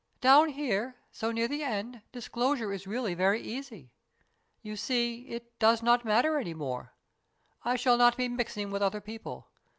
" Down here, so near the end, disclosure is really very easy. You see, it does not matter any more. I shall not be mixing with other people.